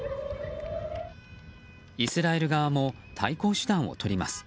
イスラエル側も対抗手段をとります。